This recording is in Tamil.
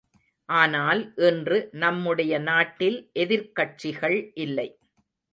ஆனால் இன்று நம்முடைய நாட்டில் எதிர்க் கட்சிகள் இல்லை.